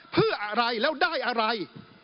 เพื่ออะไรแล้วได้อะไร